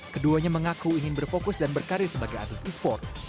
keduanya mengaku ingin berfokus dan berkarir sebagai atlet esport